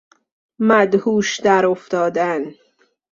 مدهوش درافتادن